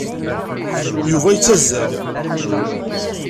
Yuba yettazzal.